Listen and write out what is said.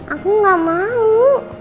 aku gak mau